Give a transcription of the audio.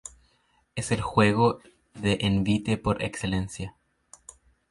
Es el juego de envite por excelencia.